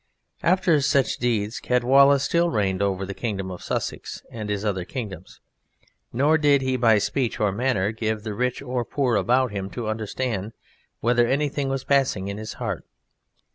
After such deeds Caedwalla still reigned over the kingdom of Sussex and his other kingdoms, nor did he by speech or manner give the rich or poor about him to understand whether anything was passing in his heart.